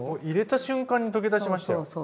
入れた瞬間に溶け出しましたよ。